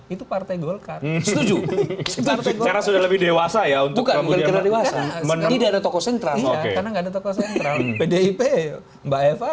itu partai golkar tujuh sudah lebih dewasa ya untuk kamu di mana mana tidak ada toko sentral oke